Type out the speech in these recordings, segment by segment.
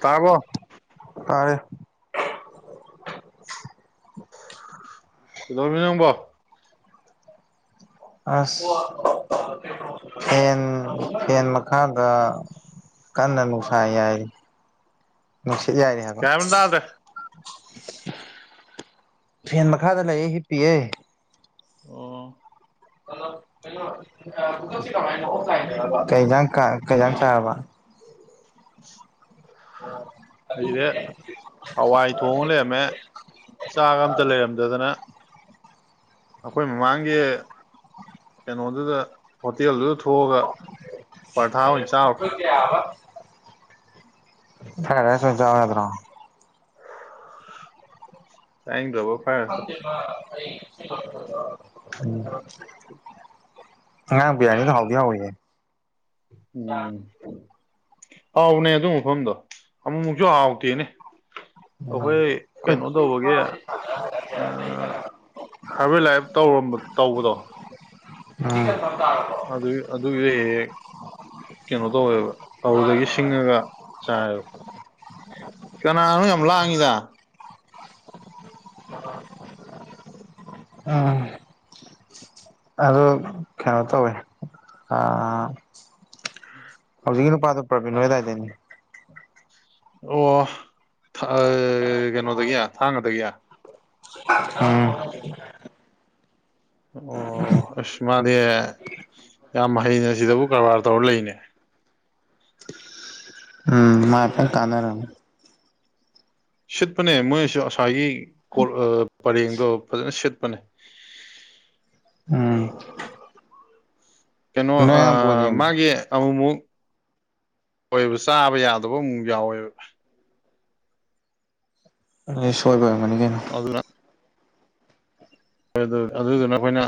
ꯇꯥꯔꯕꯣ ꯇꯥꯔꯦ ꯀꯩꯗꯧꯔꯝꯃꯤꯅꯣ ꯅꯪꯕꯣ ꯑꯁ ꯐꯦꯟ ꯐꯦꯟ ꯃꯈꯥꯗ ꯀꯟꯅ ꯅꯨꯡꯁꯥ ꯌꯥꯏꯔꯤ ꯅꯨꯡꯁꯤꯠ ꯌꯥꯏꯔꯤ ꯍꯥꯏꯕ ꯀꯩꯝ ꯇꯥꯗ꯭ꯔꯦ ꯐꯦꯟ ꯃꯈꯥꯗ ꯂꯩꯌꯦ ꯍꯤꯞ ꯄꯤꯑꯦ ꯑꯣ ꯀꯩꯅꯣ ꯀꯩꯅꯣ ꯑ ꯒꯨꯒꯜꯁꯦ ꯀꯃꯥꯏꯅꯣ ꯑꯣꯐꯂꯥꯏꯟꯗꯔꯕ, ꯀꯩ ꯍꯤꯟꯖꯥꯡ ꯀ ꯀꯩꯍꯤꯟꯖꯥꯡ ꯆꯥꯔꯕ [unintelligible] ꯑꯣ ꯑꯁꯤꯗ ꯍꯋꯥꯏ ꯊꯣꯡꯉ ꯂꯩꯔꯝꯃꯦ ꯆꯥꯛ ꯑꯃꯇ ꯂꯩꯔꯝꯗꯗꯅ ꯑꯈꯣꯏ ꯃꯃꯥꯡꯒꯤ ꯀꯩꯅꯣꯗꯨꯗ ꯍꯣꯇꯦꯜꯗꯨꯗ ꯊꯣꯛꯑꯒ ꯄꯔꯊꯥ ꯑꯣꯏꯅ ꯆꯥꯔꯨꯔꯦ꯫ ꯐ꯭ꯔꯥꯏ ꯔꯥꯏꯁ ꯑꯣꯏꯅ ꯆꯥꯎ ꯌꯥꯗ꯭ꯔꯣ ꯆꯥꯅꯤꯡꯗ꯭ꯔꯕꯨ [unintelligible] ꯎꯝ ꯉꯔꯥꯡ ꯕꯤꯔꯅꯤꯗꯣ ꯍꯥꯎꯗꯤ ꯍꯥꯎꯋꯤꯍꯦ ꯎꯝ ꯍꯥꯎꯕꯅꯦ ꯑꯗꯨ ꯃꯐꯝꯗꯣ ꯑꯃꯨꯛꯃꯨꯛꯁꯨ ꯍꯥꯎꯇꯦꯅꯦ ꯎꯝ ꯑꯩꯈꯣꯏ ꯈꯣꯏ ꯀꯩꯅꯣ ꯇꯧꯕꯒꯤ [unintelligible] ꯈꯚꯜ ꯂꯥꯏꯐ ꯇꯧꯔꯝꯕ ꯇꯧꯕꯗꯣ ꯎꯝ ꯑꯗꯨꯒꯤ ꯑꯗꯨꯒꯤꯁꯨ ꯍꯦꯛ ꯍꯦꯛ ꯀꯩꯅꯣ ꯇꯧꯋꯦꯕ ꯇꯧꯕꯗꯒꯤ ꯁꯤꯡꯉꯒ ꯆꯥꯏꯕ ꯀꯅꯥꯅꯣ ꯌꯥꯝ ꯂꯥꯡꯉꯤꯗ [unintelligible] ꯑꯥꯝ ꯑꯗꯨ ꯀꯩꯅꯣ ꯇꯧꯋꯦ ꯑꯥ ꯍꯧꯖꯤꯛꯀꯤ ꯅꯨꯄꯥꯗꯣ ꯄ꯭ꯔꯕꯤꯟ ꯍꯣꯏ ꯑꯗꯥꯏꯗꯒꯤꯅꯦ ꯑꯣ ꯑ ꯀꯩꯅꯣꯗꯒꯤ ꯊꯥꯡꯒꯗꯒꯤ ꯎꯝ ꯑꯣ ꯑꯁ ꯃꯥꯗꯤ ꯌꯥꯝ ꯍꯩꯅ ꯁꯤꯗꯕꯨ ꯀꯔꯕꯥꯔ ꯇꯧꯔ ꯂꯩꯅꯦ ꯎꯝ ꯃꯥ ꯐꯥ ꯀꯥꯟꯅꯔꯝꯅꯤ ꯁꯤꯠꯄꯅꯦ ꯃꯣꯏꯁꯨ ꯉꯁꯥꯏꯒꯤ ꯀꯣꯔ ꯄꯔꯦꯡꯗꯣ ꯐꯖꯅ ꯁꯤꯠꯄꯅꯦ ꯎꯝ ꯀꯩꯅꯣ ꯅꯣꯏ ꯑꯉꯥꯡ ꯕꯣꯜ ꯑꯥ ꯌꯦꯡꯕ꯭ꯔꯣ ꯃꯥꯒꯤ ꯑꯃꯨꯛꯃꯨꯛ ꯑꯣꯏꯕ ꯆꯥꯕ ꯌꯥꯗꯕ ꯑꯃꯨꯛ ꯃꯨꯛ ꯌꯥꯎꯋꯦꯕ ꯑꯗꯨꯗꯤ ꯁꯣꯏꯕ ꯑꯣꯏꯔꯝꯒꯅꯤ ꯀꯩꯅꯣ ꯑꯗꯨꯅ ꯍꯣꯏ ꯑꯗꯣ ꯑꯗꯨꯏꯗꯨꯅ ꯑꯈꯣꯏꯅ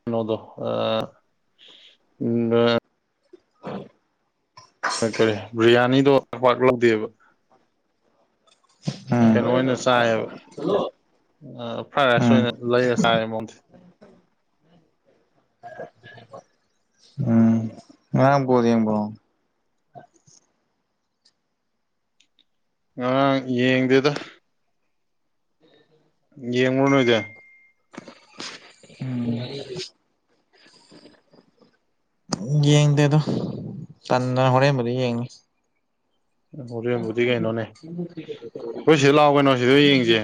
ꯀꯩꯅꯣꯗꯣ ꯑꯥ ꯎꯝ [inaudible] ꯀꯔꯤ ꯕꯤ꯭ꯔꯤꯌꯥꯅꯤꯗꯣ ꯄꯥꯛ ꯄꯥꯛ ꯂꯧꯗꯦꯕ ꯀꯩꯅꯣ ꯑꯣꯏꯅ ꯆꯥꯏꯌꯦꯕ ꯎꯝ ꯐ꯭ꯔꯥꯏ ꯔꯥꯏꯁ ꯎꯝ ꯑꯣꯏꯅ ꯂꯩꯔ ꯆꯥꯏꯔꯦ ꯃꯉꯣꯟꯗꯩ ꯎꯝ ꯉꯔꯥꯡ ꯕꯣꯜ ꯌꯦꯡꯕ꯭ꯔꯣ ꯉꯔꯥꯡ ꯌꯦꯡꯗꯦꯗꯥ ꯌꯦꯡꯕ꯭ꯔꯣ ꯅꯣꯏꯗꯤ ꯎꯝ ꯌꯦꯡꯗꯦꯗꯥ ꯇꯟꯗꯅ ꯍꯣꯔꯦꯟꯕꯨꯗꯤ ꯌꯦꯡꯅꯤ [unintelligible] ꯀꯩꯅꯣꯅꯦ ꯑꯩꯈꯣꯏ ꯁꯤꯗ ꯂꯥꯛꯑꯣ ꯀꯩꯅꯣ ꯁꯤꯗ ꯑꯣꯏꯅ ꯌꯦꯡꯁꯤ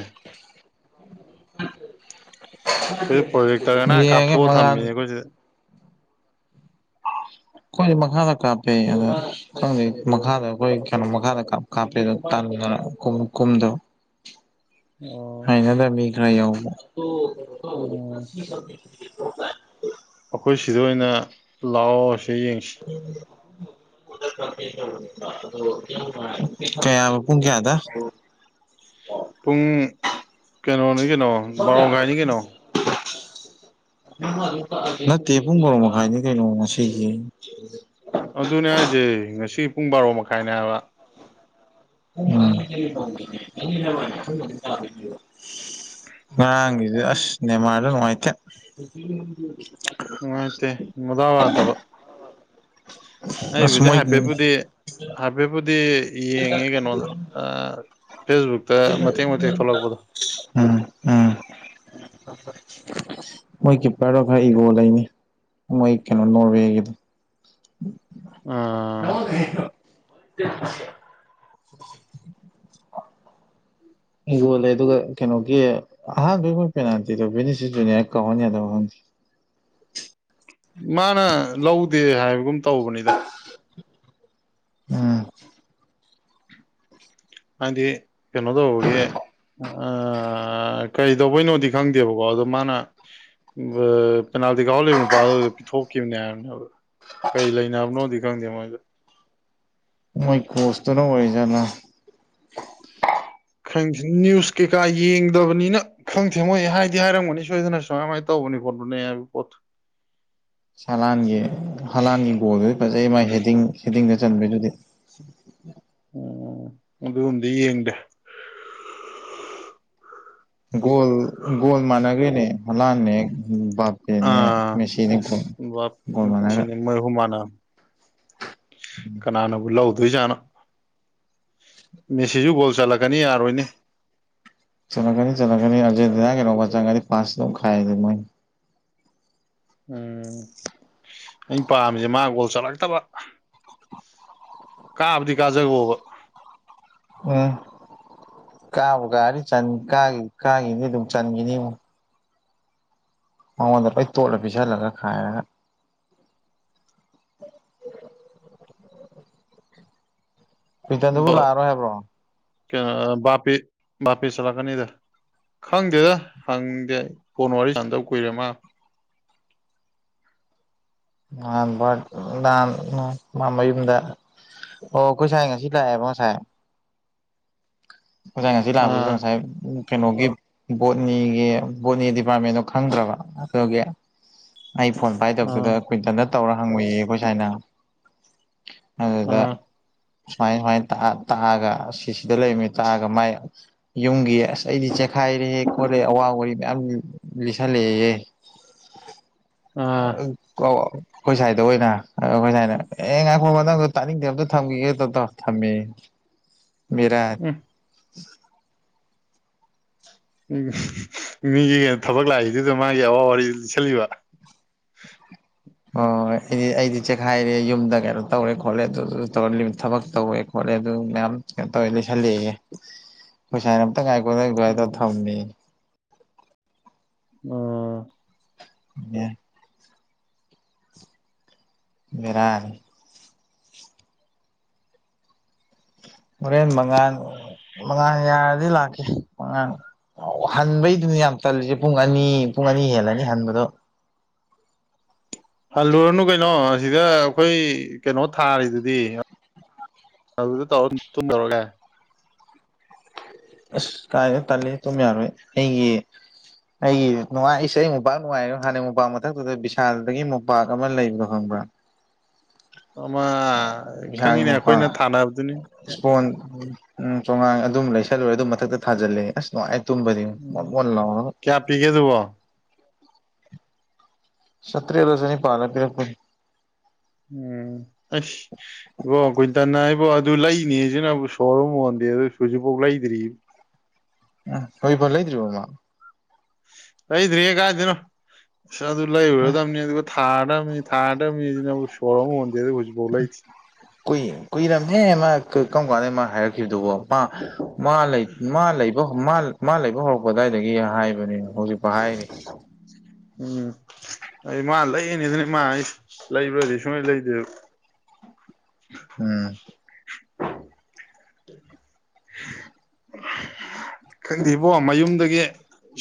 ꯑꯩꯈꯣꯏ ꯄ꯭ꯔꯣꯖꯦꯛꯇꯔ ꯑꯅ ꯌꯦꯡꯉꯦ ꯀꯥꯞꯊꯣꯛꯑ ꯃꯉꯥꯟ ꯊꯝꯃꯤꯅꯦ ꯑꯩꯈꯣꯏ ꯁꯤꯗ ꯑꯩꯈꯣꯏꯗꯤ ꯃꯈꯥꯗ ꯀꯥꯞꯄꯦ ꯑꯗ ꯈꯪꯗꯦ ꯃꯈꯥꯗ ꯑꯩꯈꯣꯏ ꯀꯩꯅꯣ ꯃꯈꯥꯗ ꯀꯥꯞ ꯀꯥꯞꯄꯦꯅ ꯇꯟꯗꯅ ꯀꯨꯝ ꯀꯨꯝꯗꯕ [inaudible] ꯑꯣ ꯍꯩꯅꯗꯕ ꯃꯤ ꯈꯔ ꯌꯥꯎꯕ ꯎꯝ [inaudible] ꯑꯩꯈꯣꯏ ꯁꯤꯗ ꯑꯣꯏꯅ ꯂꯥꯛꯑꯣ ꯁꯤ ꯌꯦꯡꯁꯤ ꯀꯌꯥꯕ ꯄꯨꯡ ꯀꯌꯥꯗ ꯄꯨꯡ ꯀꯩꯅꯣꯅꯤ ꯀꯩꯅꯣ ꯕꯥꯔꯣ ꯃꯈꯥꯏꯅꯤ ꯀꯩꯅꯣ ꯅꯠꯇꯦ ꯄꯨꯡ ꯕꯥꯔꯣ ꯃꯈꯥꯏꯅꯤ ꯀꯩꯅꯣ ꯉꯁꯤꯁꯦ [inaudible] ꯑꯗꯨꯅꯦ ꯍꯥꯏꯁꯦ ꯉꯁꯤ ꯄꯨꯡ ꯕꯥꯔꯣ ꯃꯈꯥꯏꯅꯦ ꯍꯥꯏꯕ [unintelligible] ꯉꯥꯔꯥꯡꯒꯤꯗꯨ ꯑꯁ ꯅꯦꯔꯃꯥꯔꯗꯨ ꯅꯨꯡꯉꯥꯏꯇꯦ ꯅꯨꯡꯉꯥꯏꯇꯦ ꯃꯗꯥꯎ ꯌꯥꯗꯕ ꯑꯁ ꯑꯩꯕꯨꯗꯤ ꯃꯣꯏ ꯍꯥꯏꯐꯦꯠꯄꯨꯗꯤ ꯍꯥꯏꯐꯦꯠꯕꯨꯨꯗꯤ ꯌꯦꯡꯉꯦ ꯀꯩꯅꯣꯗ ꯐꯦꯁꯕꯨꯛꯇ ꯃꯇꯦꯛ ꯃꯇꯦꯛ ꯊꯣꯛꯂꯛꯄꯗꯣ ꯎꯝ ꯎꯝ ꯃꯣꯏ ꯀꯤꯞꯄꯔꯗꯣ ꯈꯔ ꯏꯒꯣ ꯂꯩꯅꯦ ꯃꯣꯏ ꯀꯩꯅꯣ ꯅꯣꯔꯋꯦꯒꯤꯗꯣ [inaudible] ꯑꯥ [unintelligible] [inaudible] ꯌꯣꯜꯂꯦ ꯑꯗꯨꯒ ꯀꯩꯅꯣꯒꯤ ꯑꯍꯥꯟꯕꯩ ꯃꯣꯏ ꯄꯦꯅꯥꯜꯇꯤꯗꯣ ꯕꯦꯅꯤꯁꯤꯁ ꯖꯨꯅꯤꯌꯔ ꯀꯥꯎꯍꯟ ꯌꯥꯗ ꯈꯪꯗꯦ ꯃꯥꯅ ꯂꯧꯗꯦ ꯍꯥꯏꯕꯒꯨꯝ ꯇꯧꯕꯅꯤꯗ ꯎꯝ ꯍꯥꯏꯗꯤ ꯀꯩꯅꯣ ꯇꯧꯕꯒꯤꯦ ꯑ ꯀꯩꯇꯧꯕꯩꯅꯣꯗꯤ ꯈꯪꯗꯦꯕꯀꯣ ꯑꯗꯣ ꯃꯥꯅ ꯑ ꯄꯦꯅꯥꯜꯇꯤ ꯀꯥꯎꯍꯜꯂꯤꯕ ꯅꯨꯄꯥꯗꯨꯗ ꯄꯤꯊꯣꯛꯈꯤꯕꯅꯦ ꯍꯥꯏꯕꯅꯦ ꯀꯩ ꯂꯩꯅꯕꯅꯣꯗꯤ ꯈꯪꯗꯦ ꯃꯣꯏꯗꯣ ꯃꯣꯏ ꯀꯣꯁꯆꯇꯨꯅ ꯑꯣꯏꯖꯥꯠꯂꯥ ꯈꯪꯗꯦ ꯅ꯭ꯌꯨꯁ ꯀꯩꯀꯥ ꯌꯦꯡꯗꯕꯅꯤꯅ ꯈꯪꯗꯦ ꯃꯣꯏ ꯍꯥꯏꯗꯤ ꯍꯥꯏꯔꯝꯒꯅꯤ ꯁꯣꯏꯗꯅ ꯁꯨꯃꯥꯏꯃꯥꯏꯅ ꯇꯧꯕꯅꯤ ꯈꯣꯠꯄꯅꯦ ꯍꯥꯏꯕ ꯄꯣꯠꯇꯣ ꯍꯥꯂꯥꯟꯒꯤ ꯍꯥꯂꯥꯟꯒꯤ ꯒꯣꯜꯗꯨꯗꯤ ꯐꯖꯩ ꯃꯥꯥꯏ ꯍꯦꯗꯤꯡ ꯍꯦꯗꯤꯡꯗ ꯆꯟꯕꯩꯗꯨꯗꯤ [inaudible] ꯎꯝ ꯑꯗꯨꯒꯨꯝꯕꯗꯤ ꯌꯦꯡꯗꯦ ꯒꯣꯜ ꯒꯣꯜ ꯃꯥꯟꯅꯒ꯭ꯔꯦꯅꯦ ꯍꯂꯥꯟꯅ ꯍꯦ ꯑꯗꯨꯅꯦ ꯑꯥ ꯃꯦꯁꯤꯟꯅꯦ ꯒꯣꯜ ꯒꯣꯜ ꯃꯥꯟꯒ꯭ꯔꯦ ꯃꯣꯏꯍꯨ ꯃꯥꯅ ꯀꯅꯥꯅꯕꯨ ꯂꯧ ꯗꯨꯏꯖꯥꯅꯣ ꯃꯦꯁꯤꯁꯨ ꯒꯣꯜ ꯆꯠꯂꯛꯀꯅꯤ ꯌꯥꯔꯣꯏꯅꯦ ꯆꯠꯂꯛꯅꯤ ꯆꯠꯂꯛꯀꯅꯤ ꯑꯔꯖꯦꯟꯇꯤꯅꯥ ꯀꯩꯅꯣꯒ ꯆꯪꯉꯒꯅꯤ ꯐꯥꯁ ꯇꯧꯈꯥꯏ ꯃꯣꯏ ꯎꯝ ꯑꯩꯅ ꯄꯥꯝꯃꯤꯁꯦ ꯃꯥ ꯒꯣꯜ ꯆꯠꯂꯛꯇꯕ ꯀꯥꯕꯗꯤ ꯀꯥꯖꯈꯣꯕ ꯎꯝ ꯀꯥꯕꯨ ꯀꯥꯔꯗꯤ ꯆꯟ ꯀꯥ ꯀꯥꯈꯤꯅꯤ ꯑꯗꯨꯝ ꯆꯟꯈꯤꯅꯤ ꯃꯉꯣꯟꯗ ꯂꯣꯏ ꯇꯣꯠꯂ ꯄꯤꯁꯜꯂꯒ ꯈꯥꯏꯔꯒ [unintelligible] ꯄꯤꯇꯗꯕꯨ ꯂꯥꯑꯔꯣꯏ ꯍꯥꯏꯕ꯭ꯔꯣ ꯀ ꯕꯥꯄꯦ ꯕꯥꯄꯦ ꯆꯂꯛꯀꯅꯤꯗ ꯈꯪꯗꯦꯗ ꯍꯪꯗꯦ ꯐꯣꯟ ꯋꯥꯔꯤ ꯁꯥꯟꯗꯕ ꯀꯨꯏꯔꯦ ꯃꯥ [unintelligible] ꯑꯣ ꯑꯈꯣꯏ ꯁꯥꯏ ꯉꯁꯤ ꯂꯥꯛꯑꯦꯕꯣ ꯉꯁꯥꯏ ꯅꯣꯏꯁꯥꯏ ꯉꯁꯤ ꯂꯛꯄꯗꯨ ꯑꯥ ꯉꯁꯥꯏ ꯀꯩꯅꯣꯒꯤ ꯕꯣꯠꯅꯤꯒꯤ ꯕꯣꯠꯅꯤ ꯗꯤꯄꯥꯔꯠꯃꯦꯟꯗꯣ ꯈꯪꯗ꯭ꯔꯕ ꯑꯗꯨꯒꯤ ꯑꯩ ꯐꯣꯟ ꯄꯥꯏꯗꯕꯗꯨꯗ ꯑꯥ ꯀꯨꯏꯇꯟꯗ ꯇꯧꯔ ꯍꯪꯉꯨꯏꯌꯦ ꯑꯩꯈꯣꯏ ꯁꯥꯏꯅ ꯑꯗꯨꯗ ꯑꯥ ꯁꯨꯃꯥꯏ ꯁꯨꯃꯥꯏꯅ ꯇꯥꯛꯑꯒ ꯁꯤꯁꯤꯗ ꯂꯩꯃꯤ ꯇꯥꯛꯑꯒ ꯃꯥꯏ ꯌꯨꯝꯒꯤ ꯑꯁ ꯑꯩꯗꯤ ꯆꯦꯈꯥꯏꯔꯦ ꯈꯣꯠꯂꯦ ꯑꯋꯥ ꯋꯥꯔꯤ ꯃꯌꯥꯝ ꯂꯤꯁꯜꯂꯦꯌꯦ ꯑꯥ ꯑꯣ ꯑꯩꯈꯣꯏ ꯁꯥꯏꯗ ꯑꯣꯏꯅ ꯑꯩꯈꯣꯏ ꯁꯥꯏꯅ ꯑꯦ ꯉꯥꯏ ꯍꯣ ꯅꯪꯗꯣ ꯇꯥꯅꯤꯡꯗꯦ ꯑꯝꯇ ꯊꯝꯈꯤꯒꯦ ꯇꯗꯣ ꯊꯝꯃꯦ ꯃꯤꯔꯥ ꯎꯝ [unintelligible] ꯎꯝ ꯃꯤꯒꯤ ꯀꯩꯅꯣ ꯊꯕꯛ ꯂꯥꯛꯏꯗꯨꯗ ꯃꯥꯒꯤ ꯑꯋꯥꯕ ꯋꯥꯔꯤꯗꯨ ꯂꯤꯁꯜꯂꯤꯕ ꯑꯣ ꯑꯩꯗꯤ ꯑꯩꯗꯤ ꯆꯦꯛꯈꯥꯏꯔꯦ ꯌꯨꯝꯗ ꯀꯩꯅꯣ ꯇꯧꯔꯦ ꯈꯣꯠꯂꯦ ꯑꯗꯨ ꯇꯧꯔ ꯂꯤꯃ ꯊꯕꯛ ꯇꯧꯋꯦ ꯈꯣꯠꯂꯦ ꯑꯗꯨ ꯃꯌꯥꯝ ꯀꯩꯅꯣ ꯇꯧꯋꯦ ꯂꯩꯁꯜꯂꯦꯌꯦ ꯑꯩꯈꯣꯏ ꯁꯥꯏꯅ ꯉꯥꯏꯈꯣ ꯉꯥꯏꯈꯣ ꯍꯥꯏꯔ ꯎꯝ ꯊꯝꯃꯤ ꯎꯝ ꯎꯝ ꯕꯦꯔꯥꯅꯤ ꯍꯣꯔꯦꯟ ꯃꯉꯟ ꯃꯉꯥꯟ ꯌꯥꯔꯗꯤ ꯂꯥꯛꯀꯦ ꯃꯉꯥꯟ ꯑꯣ ꯍꯟꯕꯩꯗꯨꯅꯦ ꯌꯥꯝ ꯇꯜꯂꯤꯁꯦ ꯄꯨꯡ ꯑꯅꯤ ꯄꯨꯡ ꯑꯅꯤ ꯍꯦꯜꯂꯅꯤ ꯍꯟꯕꯗꯣ ꯍꯜꯂꯨꯔꯅꯨ ꯀꯩꯅꯣ ꯑꯁꯤꯗ ꯑꯩꯈꯣꯏ ꯀꯩꯅꯣ ꯊꯥꯔꯤꯗꯨꯗꯤ ꯑꯗꯨꯗꯤ ꯇꯧꯔ ꯇꯨꯝ ꯇꯧꯔꯒ ꯑꯁ ꯀꯥꯏꯅ ꯇꯜꯂꯤ ꯑꯗꯨꯨꯝ ꯌꯥꯔꯣꯏ ꯑꯩꯒꯤ ꯑꯩꯒꯤ ꯅꯨꯡꯉꯥꯏꯁꯦ ꯑꯩ ꯃꯣꯝꯄꯥꯛ ꯅꯨꯡꯉꯥꯏꯔꯦ ꯍꯥꯟꯅꯩ ꯃꯣꯝꯄꯥꯛ ꯃꯊꯛꯇꯨꯗ ꯕꯤꯚꯤꯁꯥꯜꯗꯒꯤ ꯃꯣꯝꯄꯥꯛ ꯑꯃ ꯂꯩꯕꯗꯣ ꯈꯪꯕ꯭ꯔꯥ ꯑꯃ ꯕꯤꯁꯥꯜꯒꯤ ꯈꯪꯉꯤꯅꯦ ꯃꯣꯝꯄꯥꯛ ꯑꯩꯈꯣꯏꯅ ꯊꯥꯅꯕꯗꯨꯅꯤ ꯏꯁꯄꯣꯟ ꯎꯝ ꯆꯣꯉꯥꯡ ꯑꯗꯨꯝ ꯂꯩꯁꯜꯂꯨꯔꯦ ꯑꯗꯨ ꯃꯊꯛꯇ ꯊꯥꯖꯜꯂꯦ ꯑꯁ ꯅꯨꯡꯉꯥꯏ ꯇꯨꯝꯕꯗꯤ ꯎꯝ ꯀꯌꯥ ꯄꯤꯒꯦ ꯑꯗꯨꯕꯣ ꯆꯇ꯭ꯔꯦꯠꯂ ꯆꯅꯤꯄꯥꯜꯂ ꯄꯤꯔꯛꯄꯅꯦ ꯎꯝ ꯑꯁ ꯏꯕꯣ ꯀꯨꯏꯇꯟꯅꯥ ꯑꯩꯕꯣ ꯑꯗꯨ ꯂꯩꯅꯤꯁꯤꯅꯕꯨ ꯁꯣꯔ ꯑꯃ ꯍꯣꯟꯗꯦ ꯑꯗꯨꯏ ꯍꯧꯖꯤꯛꯐꯥꯎ ꯂꯩꯗ꯭ꯔꯤ ꯎ ꯍꯧꯖꯤꯛꯐꯧ ꯂꯩꯗ꯭ꯔꯤꯕꯣ ꯃꯥ ꯂꯩꯗ꯭ꯔꯤꯌꯦ ꯀꯥꯏꯗꯩꯅꯣ ꯑꯁ ꯑꯗꯨ ꯎꯝ ꯂꯩꯔꯨꯔꯗꯕꯅꯤ ꯑꯗꯨꯒ ꯊꯥꯔꯗꯃꯤ ꯊꯥꯔꯗꯃꯤꯖꯤꯅꯕꯨ ꯁꯣꯔ ꯑꯃ ꯍꯣꯟꯗꯦ ꯑꯗꯨ ꯍꯧꯖꯤꯛꯐꯧ ꯂꯩꯗꯤ ꯀꯨꯏ ꯀꯨꯏꯔꯝꯅꯦ ꯃꯥ ꯀꯩ ꯀꯔꯝ ꯀꯥꯟꯗ ꯃꯥ ꯍꯥꯏꯔꯛꯈꯤꯕꯗꯨꯕꯣ ꯃꯥ ꯃꯥ ꯂꯩ ꯃꯥ ꯂꯩꯕ ꯃꯥ ꯃꯥ ꯂꯩꯕ ꯍꯧꯔꯛꯄ ꯑꯗꯨꯋꯥꯏꯗꯒꯤ ꯍꯥꯏꯕꯅꯦ ꯍꯧꯖꯤꯛꯐꯥꯎ ꯍꯥꯏꯔꯤ ꯎꯝ ꯑꯩ ꯃꯥ ꯂꯩꯒꯅꯤ ꯑꯗꯨꯅꯤ ꯃꯥ ꯍꯥꯏꯖꯦ ꯂꯩꯕ꯭ꯔꯗꯤ ꯁꯨꯡꯂꯩ ꯂꯩꯗꯦꯕ ꯎꯝ ꯈꯪꯗꯦꯕꯣ ꯃꯌꯨꯝꯗꯒꯤ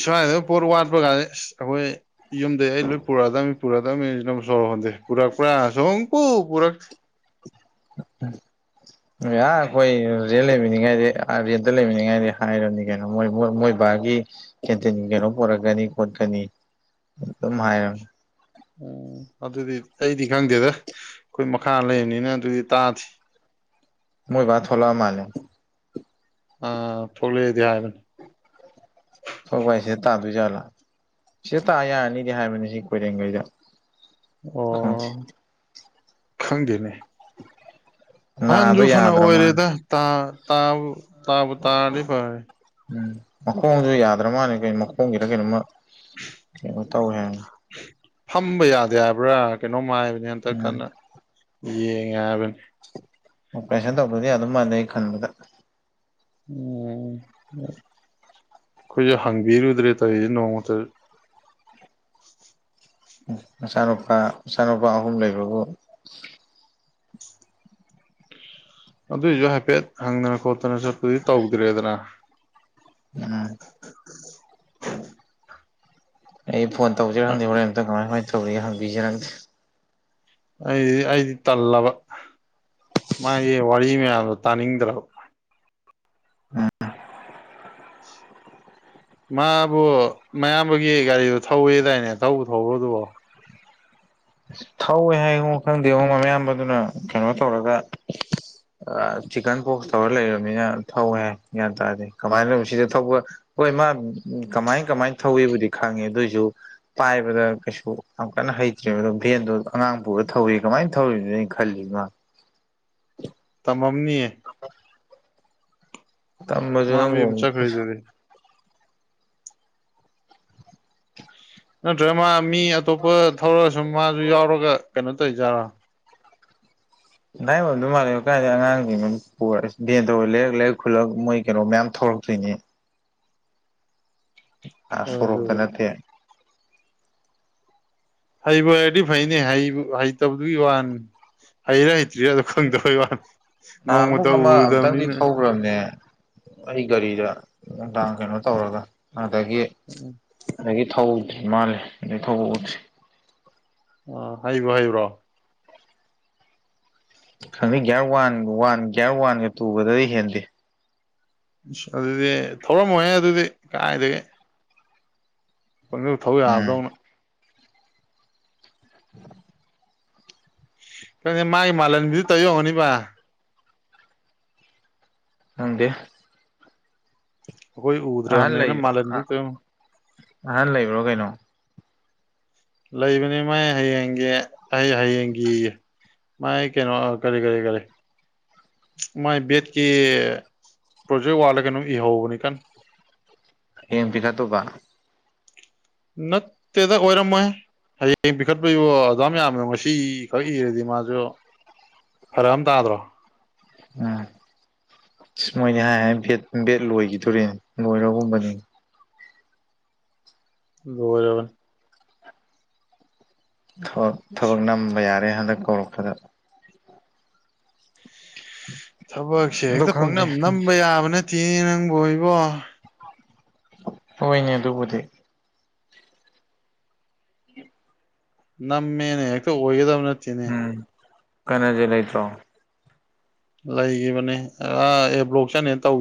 ꯁ꯭ꯋꯥꯏꯗ ꯄꯣꯠ ꯋꯥꯠꯄ ꯀꯥꯟꯗ ꯑꯁ ꯑꯈꯣꯏ ꯌꯨꯝꯗꯩ ꯑꯩ ꯂꯣꯏ ꯄꯨꯔꯛꯗꯕꯃꯤ ꯄꯨꯔꯛꯗꯕꯃꯤꯖꯤꯅꯕꯨ ꯁꯣꯔ ꯍꯣꯟꯗꯦ ꯄꯨꯔꯛꯄ꯭ꯔꯥ ꯁꯨꯡꯄꯨ ꯄꯨꯔꯛꯇꯦ ꯎ ꯌꯥ ꯑꯈꯣꯏ ꯔꯦꯟ ꯂꯩꯃꯤꯅꯤꯉꯥꯏꯗꯤ ꯑ ꯔꯦꯟꯇ ꯂꯩꯃꯤꯅꯤꯉꯥꯏꯗꯤ ꯍꯥꯏꯔꯝꯅꯤ ꯀꯩꯅꯣ ꯃꯣꯏ ꯃꯣꯏ ꯃꯣꯏ ꯕꯥꯒꯤ ꯀꯦꯟꯇꯤꯟ ꯀꯩꯅꯣ ꯄꯨꯔꯛꯀꯅꯤ ꯈꯣꯠꯀꯅꯤ ꯑꯗꯨꯝ ꯍꯥꯏ ꯎꯝ ꯑꯗꯨꯗꯤ ꯑꯩꯗꯤ ꯈꯪꯗꯦꯗ ꯑꯈꯣꯏ ꯃꯈꯥ ꯂꯩꯔꯕꯅꯤꯅ ꯑꯗꯨꯗꯤ ꯇꯥꯗꯦ ꯃꯣꯏꯕ ꯊꯣꯂꯛ ꯑꯃꯥꯜꯂꯦ ꯑ ꯊꯣꯛꯂꯛꯑꯦꯗꯤ ꯍꯥꯏꯕꯅꯤ ꯊꯣꯛꯂꯛꯄ ꯍꯥꯏꯁꯦ ꯁꯤꯗ ꯇꯥꯗꯣꯏꯖꯥꯠꯂ ꯁꯤꯗ ꯇꯥ ꯌꯥꯔꯅꯤꯗꯤ ꯍꯥꯏꯕꯅꯤ ꯁꯤ ꯀꯣꯏꯔꯦꯡꯈꯩꯗ ꯈꯪꯗꯦ ꯑꯣ ꯈꯪꯗꯦꯅꯦ [unintelligible] ꯑꯍꯟꯁꯨ ꯐꯅ ꯌꯥꯗ꯭ꯔ ꯃꯥꯜꯂꯦ ꯑꯣꯏꯔꯦꯗ ꯇꯥ ꯇꯥꯕꯨ ꯇꯥꯕꯨ ꯇꯥꯔꯗꯤ ꯐꯔꯦ ꯎꯝ ꯃꯈꯣꯡꯁꯨ ꯌꯥꯗ꯭ꯔ ꯃꯥꯜꯂꯦ ꯀꯩ ꯃꯈꯣꯡꯒꯤꯔ ꯀꯩꯅꯣꯝꯃ ꯀꯩꯅꯣ ꯇꯧꯋꯦ ꯍꯥꯏ ꯐꯝꯕ ꯌꯥꯗꯦ ꯍꯥꯏꯕ꯭ꯔꯥ ꯀꯩꯅꯣꯝ ꯍꯥꯏꯕꯅꯦ ꯍꯟꯇ ꯎꯝ ꯀꯟꯅ ꯌꯦꯡꯉꯦ ꯍꯥꯏꯕꯅꯤ ꯑꯣꯄꯔꯦꯁꯟ ꯇꯧꯗꯔꯗꯤ ꯌꯥꯗꯧ ꯃꯥꯟꯗꯦ ꯈꯟꯕꯗ ꯎꯝ ꯑꯈꯣꯏꯁꯨ ꯍꯪꯕꯤꯔꯨꯗ꯭ꯔꯦ ꯇꯔꯤꯁꯦ ꯅꯣꯡꯃꯇ ꯎ ꯃꯆꯥꯅꯨꯄꯥ ꯃꯆꯥꯅꯨꯄꯥ ꯑꯍꯨꯝ ꯂꯩꯕꯕꯨ ꯑꯗꯨꯏꯁꯨ ꯍꯥꯏꯐꯦꯠ ꯍꯪꯗꯅ ꯈꯣꯠꯇꯅ ꯆꯠꯄꯗꯤ ꯇꯧꯗ꯭ꯔꯦꯗꯅ ꯑꯥꯥꯥ ꯑꯩ ꯐꯣꯟ ꯇꯧꯖꯤꯔ ꯈꯪꯗ° ꯍꯣꯔꯦꯟ ꯑꯝꯇ ꯀꯃꯥꯏ ꯀꯃꯥꯏ ꯇꯧꯔꯤꯒꯦ ꯍꯪꯕꯤꯖꯤꯔ ꯈꯪꯗ° ꯑꯩꯗꯤ ꯑꯩꯗꯤ ꯇꯜꯂꯕ ꯃꯥꯒꯤ ꯋꯥꯔꯤ ꯃꯌꯥꯝꯗꯣ ꯇꯥꯅꯤꯡꯗ꯭ꯔꯕ ꯎꯝ ꯎꯝ ꯃꯥꯕꯨ ꯃꯌꯥꯝꯕꯒꯤ ꯒꯥꯔꯤꯗꯨ ꯊꯧꯋ°ꯗꯥꯏꯅꯦ ꯊꯧꯕꯨ ꯊꯧꯕ꯭ꯔꫭ ꯑꯗꯨꯕꯣ ꯊꯧꯋꯦ ꯍꯥꯏꯉꯣ ꯈꯪꯗꯦꯉꯣ ꯃꯌꯥꯝꯕꯗꯨꯅ ꯀꯩꯅꯣ ꯇꯧꯔꯒ ꯆꯤꯛꯀꯟ ꯄꫭꯛꯁ ꯇꯧꯔ ꯂꯩꯔꯕꯃꯤꯅ ꯊꯧꯋꯦ ꯍꯥꯏ ꯒ꯭ꯌꯥꯟ ꯇꯥꯗ° ꯀꯃꯥꯏꯅꯕꯨ ꯁꯤꯗ ꯊꯧꯕ ꯍꯣꯏ ꯃꯥ ꯀꯃꯥꯏ ꯀꯃꯥꯏ ꯊꯧꯋ°ꯕꯨꯗꯤ ꯈꯪꯉꯦ ꯑꯗꯨꯑꯣꯏꯁꯨ ꯄꯥꯏꯕꯗ ꯀꯩꯁꯨ ꯌꯥꯝ ꯀꯟꯅ ꯍꯩꯇ꯭ꯔꯤꯕꯗꯨꯝ ꯚꯦꯟꯗꯣ ꯑꯉꯥꯡ ꯄꯨꯔꯒ ꯊꯧꯋ°ꯌ° ꯀꯃꯥꯏ ꯊꯧꯔꯤꯕꯅꯣ ꯑꯩ ꯈꯜꯂꯤꯅ° ꯃꯥ ꯇꯝꯃꯝꯅꯤꯌꯦ ꯇꯝꯃꯁꯨ ꯃꯥ ꯃꯌꯨꯝ ꯅꯪꯕꫭ ꯏꯁ ꯆꯠꯈ꯭ꯔꯤꯗꯨꯗꯤ ꯅꯠꯇ꯭ꯔ ꯃꯥ ꯃꯤ ꯑꯇꯣꯞꯄ ꯊꯧꯔꯁꯨꯝ ꯃꯥꯁꯨ ꯌꯥꯎꯔꯒ ꯀꯩꯅꯣ ꯇꯧꯋꯤꯖꯥꯔꯣ ꯑꯗꯨꯃꯥꯏ ꯑꫭꯏꯔꯝꯗꯧ ꯃꯥꯟꯂ° ꯀꯥꯏꯗꯩ ꯑꯉꯥꯡꯁꯤꯡꯗꫭ ꯄꯨꯔꯒ ꯚꯦꯟꯗꫭ ꯂꯩꯔꯛ ꯂꯩꯔꯛ ꯈꯨꯂꯛ ꯃꯣꯏ ꯀꯩꯅꯣ ꯃꯌꯥꯝ ꯊꯧꯔꯛꯇꯣꯏꯅꯦ ꯑꯥ ꯍꯣꯏ ꯁꯣꯔꯣꯛꯇ ꯑꯗꯨꯕꯨꯗꯤ ꯅꯠꯇ° ꯍꯩꯕꯨ ꯍꯩꯔꯗꯤ ꯐꯩꯅꯦ ꯍꯩꯕꯨ ꯍꯩꯇꯕꯗꯨꯒꯤ ꯋꯥꯅꯤ ꯍꯩꯔꯤꯔ ꯍꯩꯇ꯭ꯔꯤꯔꯗꫭ ꯈꯪꯗꯕꯩ ꯋꯥ ꯅꯣꯡꯃꯇ ꯎꯔꯨꯗꯕꯅꯤꯅ ꯄꯨꯔꯝꯃ° ꯑꯩ ꯒꯥꯔꯤꯗ ꯅꯨꯡꯗꯥꯡ ꯀꯩꯅꯣ ꯇꯧꯔꯒ ꯑꯗꯒꯤ ꯎꯝ ꯑꯗꯒꯤ ꯊꯧꯗ꯭ꯔꯤ ꯃꯥꯜꯂꯦ ꯑꯗꯩ ꯊꯧꯕ ꯎꯗ꯭ꯔꯤ ꯑ ꯍꯩꯕꯨ ꯍꯩꯕ꯭ꯔꯣ ꯈꯪꯗꯦ ꯒ꯭ꯌꯥꯔ ꯋꯥꯟ ꯋꯥꯟ ꯒ꯭ꯌꯥꯔ ꯋꯥꯟꯒ ꯇꯨꯒꯗꯩ ꯍꯦꯟꯗꯦ ꯑꯁ ꯑꯗꯨꯗꯤ ꯊꯧꯔꯝꯃꯣꯏꯍꯦ ꯑꯗꯨꯗꯤ ꯀꯥꯏꯗꯒꯤ ꯄꯪꯊꯧ ꯊꯧ ꯎꯝ ꯌꯥꯕꯗꯧꯅ ꯈꯪꯉꯦ ꯃꯥꯏ ꯃꯥꯜꯍꯟꯕꯤꯗꯨ ꯇꯧꯔꯤ ꯑꯣꯏꯔꯝꯒꯅꯤꯕꯥ ꯈꯪꯗ° ꯑꯩꯈꯣꯏ ꯎꯗ꯭ꯔꯝꯅ°ꯅ ꯃꯥꯜꯂꯟꯕꯤ ꯇꯧꯏ ꯑꯣꯏꯔꯝ ꯑꯍꯜ ꯂꯩꯕ꯭ꯔꯣ ꯀꯩꯅꯣ ꯂꯩꯕꯅ° ꯃꯥꯏ ꯍꯌꯦꯡꯒꯤ ꯑꯩ ꯍꯌꯦꯡꯒꯤꯌ° ꯃꯥꯥꯏ ꯀꯩꯅꯣ ꯀꯔꯤ ꯀꯔꯤ ꯀꯔꯤ ꯃꯥꯏ ꯕꯦꯠꯀꯤ ꯄ꯭ꯔꯣꯖꯦꯛ ꯋꯥꯔ꯭ꯛꯂ ꯀꯩꯅꯣꯝ ꯏꯍꯧꯕꯅꯤ ꯀꯟ ꯍꯌ°ꯡ ꯄꯤꯈꯠꯇꯧꯕ ꯅꯠꯇꯦꯗ ꯑꯣꯏꯔꯝꯃꫭꯏꯍ° ꯍꯌꯦꯡ ꯄꯤꯈꯠꯄꯩꯕꯨ ꯑꯗꯨꯌꯥꯝ ꯌꯥꯝꯕꯗꯣ ꯉꯁꯤ ꯈꯛ ꯏꯔꯗꯤ ꯃꯥꯁꯨ ꯐꯔꯛ ꯑꯃ ꯇꯥꯗ꯭ꯔꯣ ꯑꯥ ꯑꯁ ꯃꯣꯏꯗꯤ ꯍꯥꯏ ꯍꯥꯏꯅ ꯕꯦꯠ ꯂꯣꯏꯒꯤꯗꯣꯔ°ꯅꯦ ꯂꯣꯏꯔꯒꯨꯝꯕꯅꯤ ꯂꯣꯏꯔꯕꯅꯤ ꯊꯕꯛ ꯊꯕꯛ ꯅꯝꯕ ꯌꯥꯔꯦ ꯍꯟꯗꯛ ꯀꯧꯔꯛꯄꯗ ꯊꯕꯛꯁꯦ ꯑꯗꯨ ꯍꯦꯛꯇ ꯈꯪꯗꯦ ꯄꯪꯅꯝ ꯅꯝꯕ ꯌꯥꯕ ꯅꯠꯇꯦ ꯅꯪꯕꯣ ꯏꯕꯣ ꯍꯣꯏꯅꯦ ꯑꯗꯨꯕꯨꯗꯤ ꯅꯝꯃꯦꯅ ꯍ°ꯛꯇ ꯑꯣꯏꯒꯗꯕ ꯅꯠ ꯎꯝ ꯀꯔꯅꯖꯤꯠ ꯂꯩꯇ꯭ꯔꯣ ꯂꯩꯒꯤꯕꯅꯦ ꯑꯥ ꯑꯦ ꯕ꯭ꯂꯣꯛ ꯆꯠꯅꯦꯅ ꯇꯧ